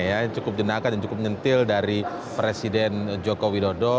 yang cukup jenaka dan cukup menyentil dari presiden joko widodo